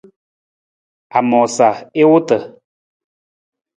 A moosa i wota.